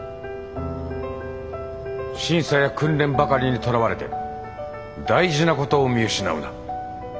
審査や訓練ばかりにとらわれて大事なことを見失うな。